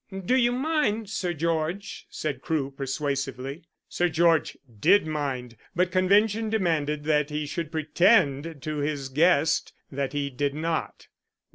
"Do you mind, Sir George?" said Crewe persuasively. Sir George did mind, but convention demanded that he should pretend to his guest that he did not.